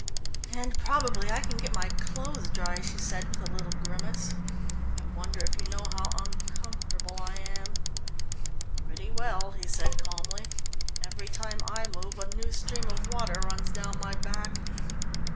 "And probably I can get my clothes dry," she said with a little grimace. "I wonder if you know how uncomfortable I am?" "Pretty well," he said calmly. "Every time I move a new stream of water runs down my back."